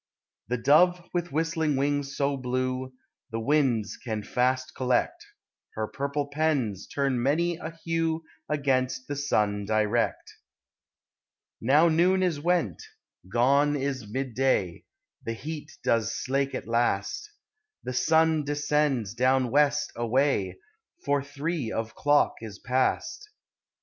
The dove with whistling wings so blue, The winds can fast collect, Her purple pens turn many a hue Against the sun direct. Now noon is went; gone is midday. The heat does slake at last ; The sun descends down West away, For three of clock is past.